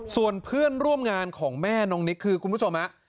ส่วนเพื่อนร่วมงานของแม่น้องนิกคือคุณผู้ชมฮะ